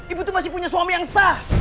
ibu tuh masih punya suami yang sah